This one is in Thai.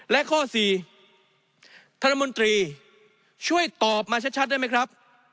และข้อสี่ท่านรัฐมนตรีช่วยตอบมาชัดได้ไหมครับ